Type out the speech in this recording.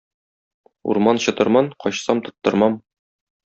Урман чытырман, качсам тоттырмам.